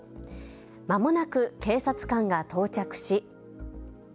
まもなく警察官が到着し。